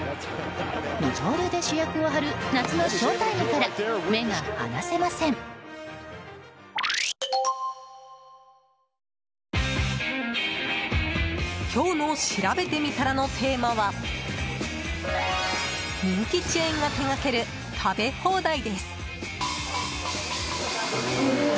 二刀流で主役を張る夏のショウタイムから今日のしらべてみたらのテーマは人気チェーンが手がける食べ放題です。